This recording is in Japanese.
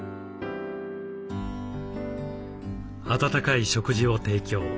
温かい食事を提供。